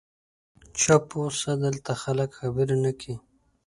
چوپ اوسه، دلته خلک خبرې نه کوي.